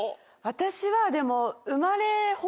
私はでも。